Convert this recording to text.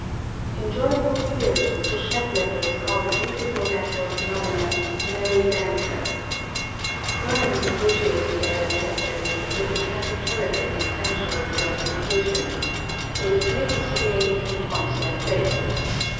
In joyful spirit, the Shetlanders call the beautiful natural phenomenon, "Merry Dancers." Burns associated their evanescence with the transitoriness of sensuous gratification: "they flit ere you can point their place."